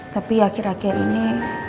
tapi akhir akhir ini